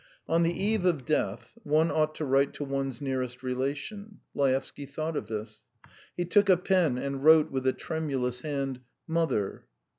On the eve of death one ought to write to one's nearest relation. Laevsky thought of this. He took a pen and wrote with a tremulous hand: "Mother!"